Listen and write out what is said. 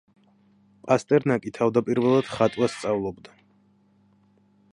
პასტერნაკი თავდაპირველად ხატვას სწავლობდა.